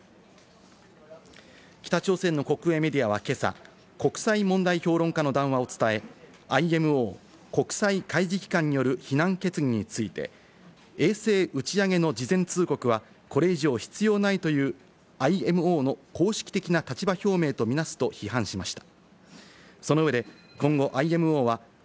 北朝鮮の国営メディアは今朝、国際問題評論家の談話を伝え、ＩＭＯ＝国際海事機関による非難決議について、衛星打ち上げの事前通告はこれ以上必要ないというＩＭＯの公式的な立場表明とみなすと批判しました。